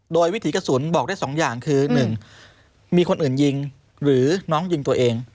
โดยวิถีกระสุนบอกได้๒อย่างคือ๑มีคนอื่นยิงหรือน้องยิงตัวเอง